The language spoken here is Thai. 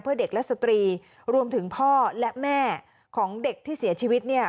เพื่อเด็กและสตรีรวมถึงพ่อและแม่ของเด็กที่เสียชีวิตเนี่ย